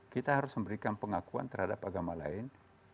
kita harus memberikan pengakuan terhadap agama lain